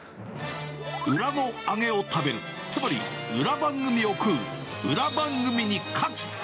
裏の揚げを食べる、つまり裏番組を食う、裏番組に勝つ。